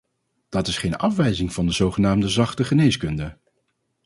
Dat is geen afwijzing van de zogenaamde zachte geneeskunde.